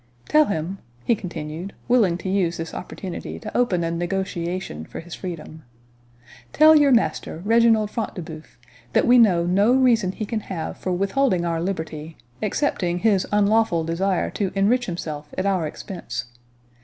Tell him," he continued, willing to use this opportunity to open a negotiation for his freedom,—"Tell your master, Reginald Front de Bœuf, that we know no reason he can have for withholding our liberty, excepting his unlawful desire to enrich himself at our expense.